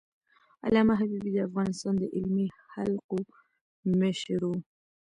علامه حبيبي د افغانستان د علمي حلقو مشر و.